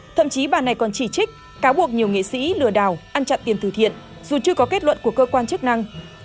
thậm chí bà này còn chỉ trích cáo buộc nhiều nghệ sĩ lừa đảo ăn chặn tiền từ thiện dù chưa có kết luận của cơ quan chức năng